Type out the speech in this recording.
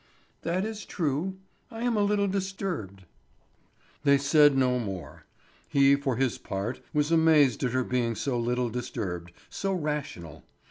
"That is true. I am a little disturbed." They said no more. He, for his part, was amazed at her being so little disturbed, so rational.